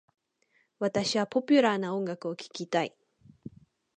私はポピュラー音楽を聞きたい。